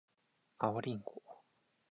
青りんご